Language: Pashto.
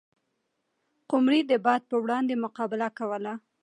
قمري د باد په وړاندې مقابله کوله.